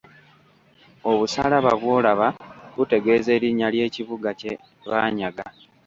Obusalaba bw'olaba butegeeza erinnya ly'ekibuga kye baanyaga.